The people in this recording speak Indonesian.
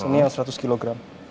ini yang seratus kg